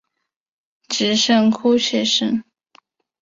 只剩哭泣声